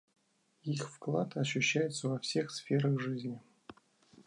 Их вклад ощущается во всех сферах жизни.